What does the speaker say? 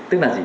tức là gì